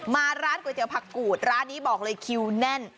มาร้านก๋วยเตี๋ผักกูดร้านนี้บอกเลยคิวแน่น